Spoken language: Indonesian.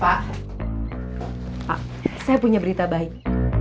pak saya punya berita baik